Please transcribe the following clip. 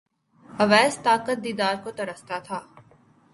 اویس طاقت دیدار کو ترستا تھا